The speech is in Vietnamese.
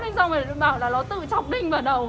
nó bảo là nó tự chọc đinh vào đầu